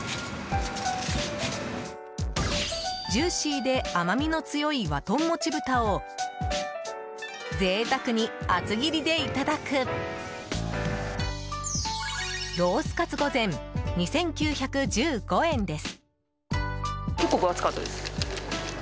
ジューシーで甘味の強い和豚もち豚を贅沢に厚切りでいただくロースかつ御膳、２９１５円です。